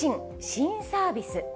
新サービス。